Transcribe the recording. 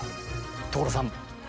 所さん！